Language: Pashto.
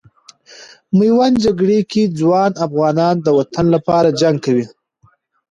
میوند جګړې کې ځوان افغانان د وطن لپاره جنګ کوي.